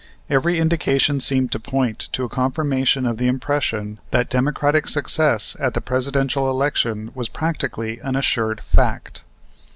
Every indication seemed to point to a confirmation of the impression that Democratic success at the Presidential election was practically an assured fact.